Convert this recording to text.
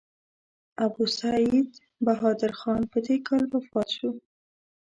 ابوسعید بهادر خان په دې کال وفات شو.